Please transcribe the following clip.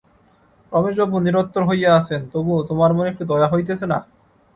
রমেশবাবু নিরুত্তর হইয়া আছেন, তবু তোমার মনে একটু দয়া হইতেছে না?